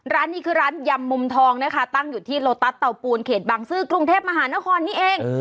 ร้านนี้คือร้านยำมุมทองนะคะตั้งอยู่ที่โลตัสเตาปูนเขตบางซื่อกรุงเทพมหานครนี่เอง